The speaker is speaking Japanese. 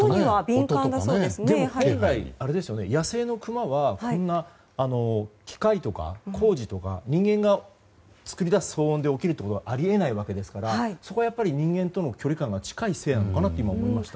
でも野生のクマはこんな、機械とか工事とか人間が作り出す騒音で起きることはあり得ないわけですからそこは人間との距離感が近いせいなのかなと思いました。